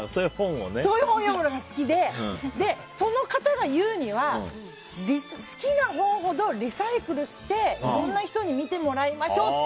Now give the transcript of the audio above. そういう本を読むのが好きでその方が言うには、好きな本ほどリサイクルして、いろんな人に見てもらいましょうって。